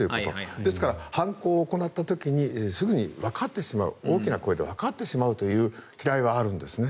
ですから犯行を行った時にすぐにわかってしまう大きな声でわかってしまうというきらいはあるんですね。